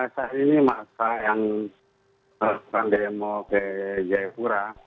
saat ini masa yang melakukan demo ke jayapura